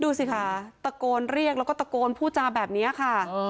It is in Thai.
ดูสิค่ะตะโกลเรียกแล้วก็ตะโกลผู้จาแบบเนี้ยค่ะเอ่อ